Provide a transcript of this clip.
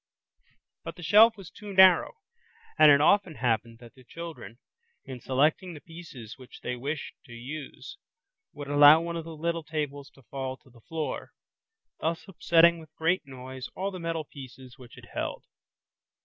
But the shelf was too narrow, and it often happened that the children in selecting the pieces which they wished to use would allow one of the little tables to fall to the floor, thus upsetting with great noise all the metal pieces which it held.